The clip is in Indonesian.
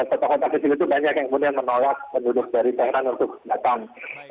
kota kota kecil itu banyak yang kemudian menolak penduduk dari thailand untuk datang